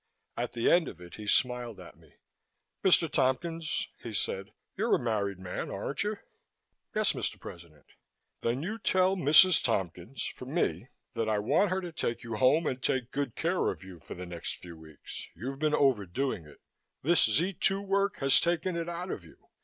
At the end of it, he smiled at me. "Mr. Tompkins," he said, "you're a married man, aren't you?" "Yes, Mr. President." "Then you tell Mrs. Tompkins for me that I want her to take you home and take good care of you for the next few weeks. You've been overdoing it. This Z 2 work has taken it out of you.